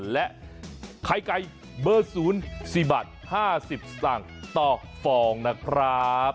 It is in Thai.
และไข่ไก่เบอร์ศูนย์๔บาท๕๐สัตว์ต่อฟองนะครับ